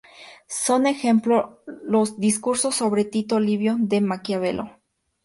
Son ejemplo los "Discursos sobre Tito Livio" de Maquiavelo.